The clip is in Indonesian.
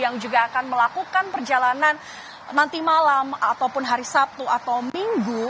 yang juga akan melakukan perjalanan nanti malam ataupun hari sabtu atau minggu